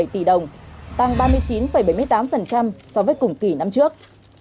bảy tỷ đồng tăng ba mươi chín bảy mươi tám so với cùng kỳ năm trước